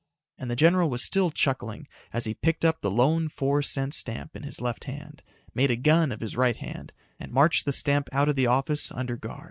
And the general was still chuckling as he picked up the lone four cent stamp in his left hand, made a gun of his right hand, and marched the stamp out of the office under guard.